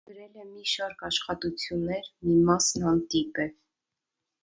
Գրել է մի շարք աշխատություններ (մի մասն անտիպ է)։